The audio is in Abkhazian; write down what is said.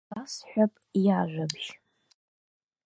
Ибасҳәап иажәабжь.